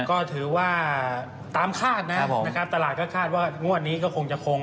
ก็ถือว่าตามคาดนะครับผมนะครับตลาดก็คาดว่างวดนี้ก็คงจะคง